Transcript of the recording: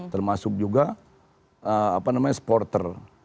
kita juga sepak bola juga sporter